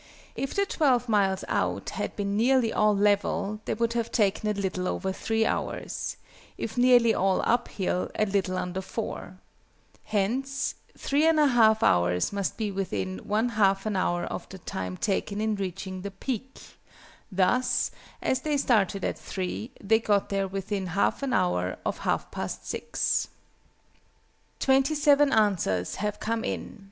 If the 12 miles out had been nearly all level, they would have taken a little over 3 hours; if nearly all up hill, a little under 4. Hence 3 1/2 hours must be within 1/2 an hour of the time taken in reaching the peak; thus, as they started at 3, they got there within 1/2 an hour of 1/2 past 6. Twenty seven answers have come in.